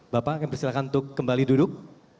bapak yang persilakan untuk kembali duduk